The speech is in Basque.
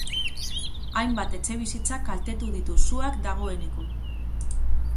Hainbat etxebizitza kaltetu ditu suak dagoeneko.